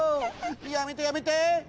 やめてやめて！